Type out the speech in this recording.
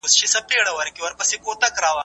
نخود د عضلاتو لپاره ښه دي.